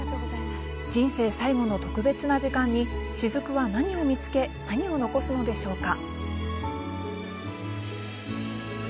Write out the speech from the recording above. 人生最後の特別な時間に雫は何を見つけ何を残すのでしょうか？